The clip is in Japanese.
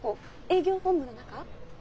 営業本部の中？